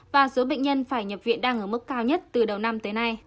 và số bệnh nhân phải nhập viện đang ở mức cao nhất từ đầu năm tới nay